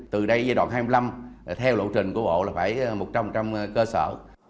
từ đây giai đoạn hai mươi năm theo lộ trình của bộ là phải một trăm linh cơ sở